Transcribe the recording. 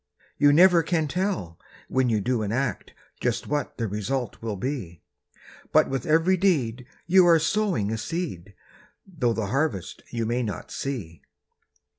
You never can tell when you do an act Just what the result will be; But with every deed you are sowing a seed, Though the harvest you may not see.